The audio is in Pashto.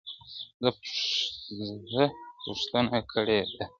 زه پوښتنه کړې ده!.